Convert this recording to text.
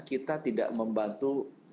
kita tidak membantu